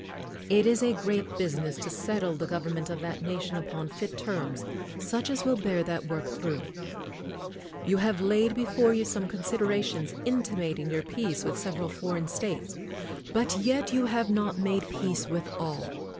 It is a great business to settle the government of that nation upon fit terms, such as will bear that work through. You have had laid before you some considerations intimating your peace with sev eral foreign states. But yet you have not made peace with all.